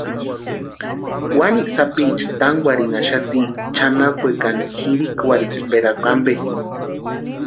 Wanikwa sapicha tankwarhinhaxati chʼanakwekani jirikwarhisperhakwa ampe.